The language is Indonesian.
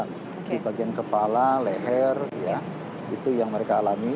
di bagian kepala leher itu yang mereka alami